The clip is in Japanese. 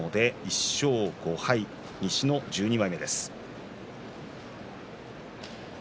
１勝５敗、西の１２枚目です。